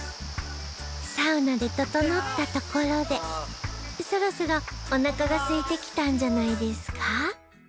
サウナでととのったところでそろそろおなかがすいてきたんじゃないですか？